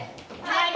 はい。